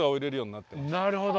なるほど。